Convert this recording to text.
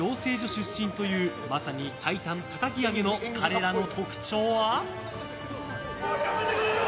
出身というまさにタイタンたたき上げの彼らの特徴は。